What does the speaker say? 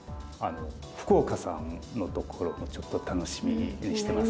福岡さんのところもちょっと楽しみにしてます。